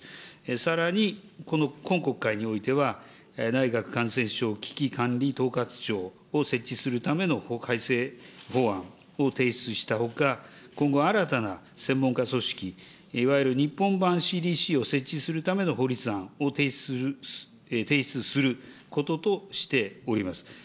さらに、この今国会においては、内閣感染症危機管理統括庁を設置するための改正法案を提出したほか、今後、新たな専門家組織、いわゆる日本版ＣＤＣを設置するための法律案を提出することとしております。